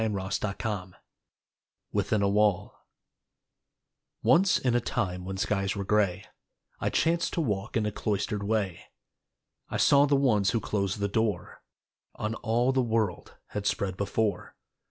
DAY DREAMS WITHIN A WALL Once in a time when skies were gray I chanced to walk in a cloistered way, I saw the ones who closed the door On all the world had spread before.